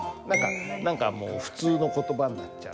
何かもう普通の言葉になっちゃう。